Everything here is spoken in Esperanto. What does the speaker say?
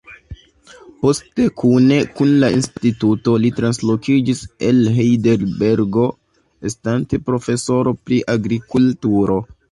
Poste kune kun la instituto li translokiĝis el Hejdelbergo estante profesoro pri agrikulturo.